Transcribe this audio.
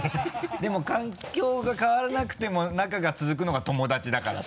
でも環境が変わらなくても仲が続くのが友達だからさ。